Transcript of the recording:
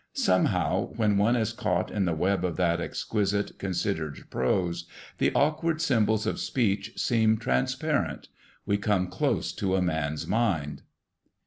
Somehow, when one is caught in the web of that exquisite, considered prose, the awkward symbols of speech seem transparent; we come close to a man's mind.